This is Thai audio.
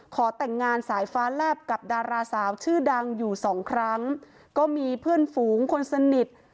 ขอแต่งงานสายฟ้าแลบกับดาราสาวชื่อดังอยู่สองครั้งก็มีเพื่อนฝูงคนสนิท